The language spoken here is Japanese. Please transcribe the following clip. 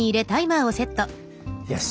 よし。